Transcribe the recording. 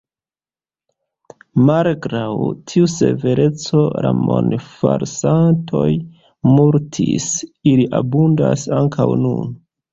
Malgraŭ tiu severeco la monfalsantoj multis; ili abundas ankaŭ nun.